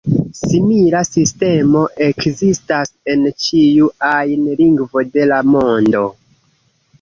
Simila sistemo ekzistas en ĉiu ajn lingvo de la mondo.